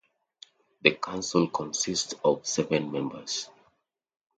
The council consists of seven members.